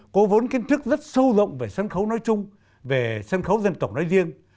cố vốn kiến thức rất sâu rộng về sân khấu nói chung về sân khấu dân tộc nói riêng